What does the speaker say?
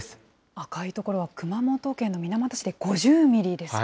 赤い所は、熊本県の水俣市で５０ミリですか。